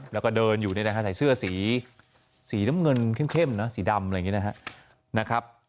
แล้วก็เดินอยู่นี่นะฮะใส่เสื้อสีน้ำเงินเข้มนะสีดำอะไรอย่างนี้นะครับ